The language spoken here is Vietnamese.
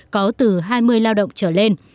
có từ hai mươi lao động trở lên